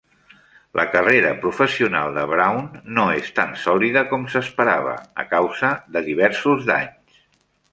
La carrera professional de Brown no és tan sòlida com s'esperava a causa de diversos danys.